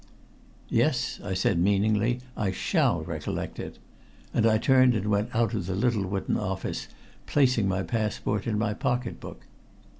"Yes," I said meaningly, "I shall recollect it." And I turned and went out of the little wooden office, replacing my passport in my pocket book.